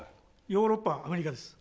ヨーロッパアメリカです